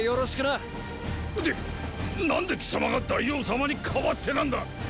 ーーって何で貴様が大王様に代わってなんだ！